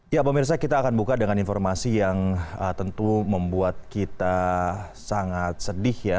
ya pemirsa kita akan buka dengan informasi yang tentu membuat kita sangat sedih ya